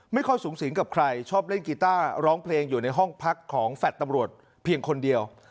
ไม่ค่อยสูงสิงกับใครชอบเล่นกีต้าร้องเพลงอยู่ในห้องพักของแฟลต์ตำรวจเพียงคนเดียว